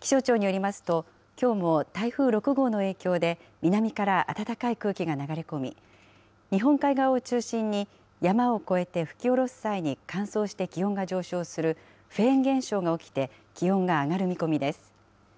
気象庁によりますと、きょうも台風６号の影響で、南から暖かい空気が流れ込み、日本海側を中心に、山を越えて吹きおろす際に乾燥して気温が上昇するフェーン現象が起きて、気温が上がる見込みです。